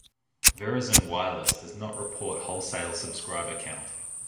Verizon Wireless does not report wholesale subscriber count.